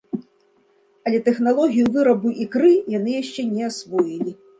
Але тэхналогію вырабу ікры яны яшчэ не асвоілі.